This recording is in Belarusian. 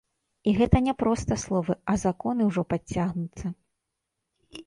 І гэта не проста словы, а законы ўжо падцягнуцца.